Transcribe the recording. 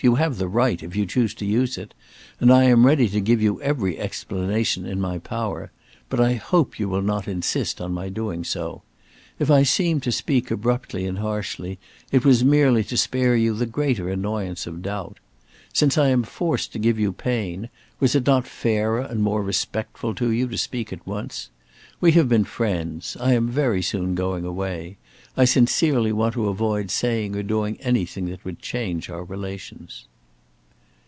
You have the right, if you choose to use it, and I am ready to give you every explanation in my power; but I hope you will not insist on my doing so. If I seemed to speak abruptly and harshly, it was merely to spare you the greater annoyance of doubt. Since I am forced to give you pain, was it not fairer and more respectful to you to speak at once? We have been friends. I am very soon going away. I sincerely want to avoid saying or doing anything that would change our relations."